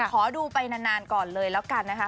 ขอดูไปนานก่อนเลยแล้วกันนะคะ